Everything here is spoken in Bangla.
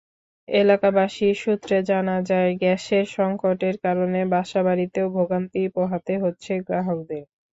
এলাকাবাসী সূত্রে জানা যায়, গ্যাসের সংকটের কারণে বাসাবাড়িতেও ভোগান্তি পোহাতে হচ্ছে গ্রাহকদের।